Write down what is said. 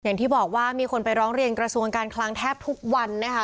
อย่างที่บอกว่ามีคนไปร้องเรียนกระทรวงการคลังแทบทุกวันนะคะ